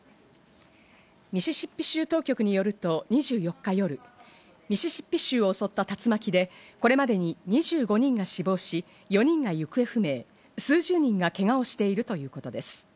ミシシッピ州当局によると、２４日夜、ミシシッピ州を襲った竜巻でこれまでに２５人が死亡し、４人が行方不明、数十人がけがをしているということです。